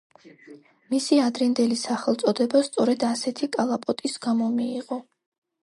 მისი ადრინდელი სახელწოდება სწორედ ასეთი კალაპოტის გამო მიიღო.